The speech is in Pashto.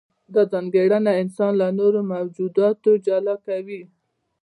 دا ځانګړنه انسان له نورو موجوداتو جلا کوي.